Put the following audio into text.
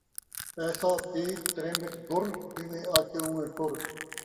پیسہ پیر تریمت گُر، جیویں آکھے اونویں ٹر